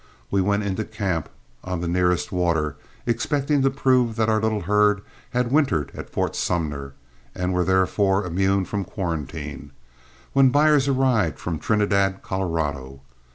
We went into camp on the nearest water, expecting to prove that our little herd had wintered at Fort Sumner, and were therefore immune from quarantine, when buyers arrived from Trinidad, Colorado.